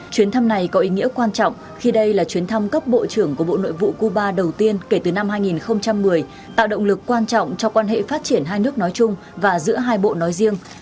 chuyến thăm này có ý nghĩa quan trọng khi đây là chuyến thăm cấp bộ trưởng của bộ nội vụ cuba đầu tiên kể từ năm hai nghìn một mươi tạo động lực quan trọng cho quan hệ phát triển hai nước nói chung và giữa hai bộ nói riêng